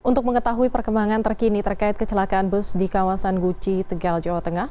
untuk mengetahui perkembangan terkini terkait kecelakaan bus di kawasan guci tegal jawa tengah